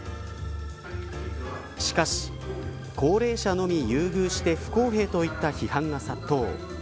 しかし、高齢者のみ優遇して不公平といった批判が殺到。